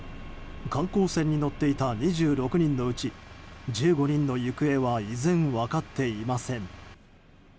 観光船に乗っていた２６人のうち１５人の行方は依然、分かっていません。